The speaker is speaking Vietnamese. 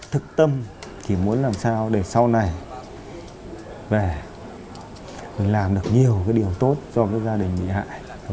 thực tâm thì muốn làm sao để sau này về mình làm được nhiều cái điều tốt cho gia đình mình ạ